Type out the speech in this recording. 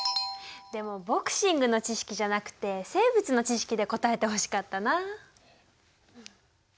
でもボクシングの知識じゃなくて生物の知識で答えてほしかったな。